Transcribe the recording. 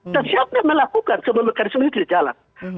dan siapa melakukan semua mekanisme itu tidak jalan